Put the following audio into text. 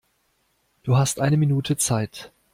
Du hast eine Minute Zeit.